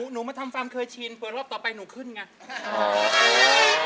หนูมาทำฟาร์มเคยชินเผื่อรอบต่อไปหนูขึ้นไง